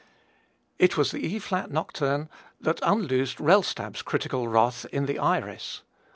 It was the E flat nocturne that unloosed Rellstab's critical wrath in the "Iris."